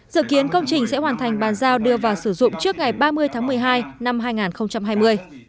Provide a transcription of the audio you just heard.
dự kiến công trình sẽ hoàn thành bàn giao đưa vào sử dụng trước ngày ba mươi tháng một mươi hai năm hai nghìn hai mươi